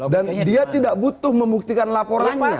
dan dia tidak butuh membuktikan laporannya